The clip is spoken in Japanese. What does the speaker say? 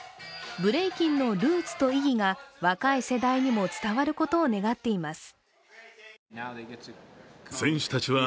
ブレイキンのルーツと意義が若い世代にも伝わることを願っています。